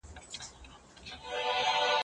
چې ښه حاصل واخلئ.